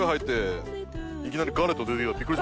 いきなり。